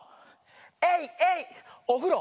エイエイおふろ。